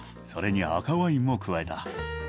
それに赤ワインも加えた。